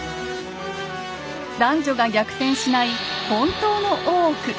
男女が逆転しない本当の大奥。